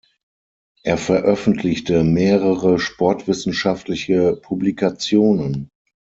Er veröffentlichte mehrere sportwissenschaftliche Publikationen.